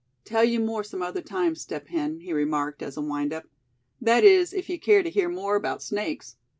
"Tell you more some other time, Step Hen," he remarked as a wind up; "that is, if you care to hear more about snakes.